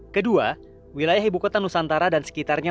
kedua wilayah ibu kota nusantara dan sekitarnya